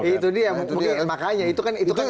itu dia makanya itu kan